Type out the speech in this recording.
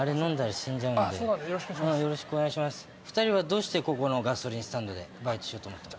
２人はどうしてこのガソリンスタンドでバイトしようと思ったの？